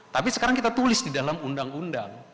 tapi sekarang kita tulis di dalam undang undang